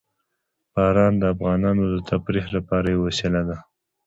باران د افغانانو د تفریح لپاره یوه وسیله ده.